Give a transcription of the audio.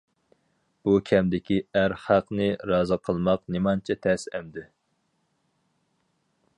بۇ كەمدىكى ئەر خەقنى رازى قىلماق نېمانچە تەس ئەمدى.